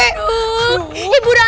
anak anak dimana pak rete